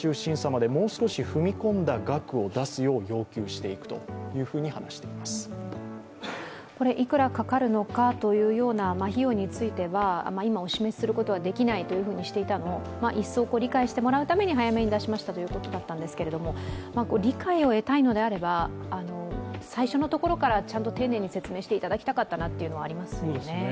これまで当初予算は２億５０００万円だったわけですがいくらかかるのかというような費用については、今お示しすることはできないというふうにしていたのを一層理解してもらうために早めに出しましたということなんですけど理解を得たいのであれば最初のところから、ちゃんと丁寧に説明していただきたかったなというのはありますよね。